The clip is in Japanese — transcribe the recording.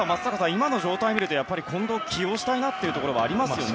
今の状態を見ると近藤を起用したいというのもありますね。